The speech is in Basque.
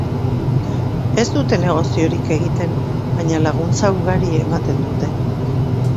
Ez dute negoziorik egiten baina laguntza ugari ematen dute.